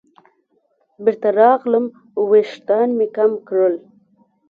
بېرته راغلم ویښتان مې کم کړل.